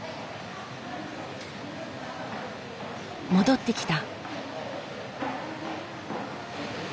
戻ってきた。